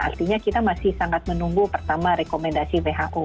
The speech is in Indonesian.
artinya kita masih sangat menunggu pertama rekomendasi who